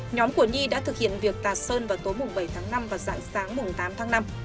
nhóm của nhi đã thực hiện việc tạt sơn vào tối bảy tháng năm và dạng sáng tám tháng năm